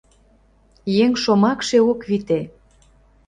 Еҥ шомакше ок вите.